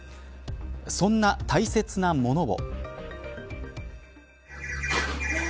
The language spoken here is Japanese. そんな大切なものを。